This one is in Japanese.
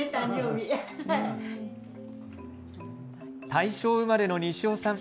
大正生まれの西尾さん。